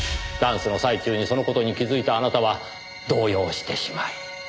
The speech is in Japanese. ダンスの最中にその事に気づいたあなたは動揺してしまい。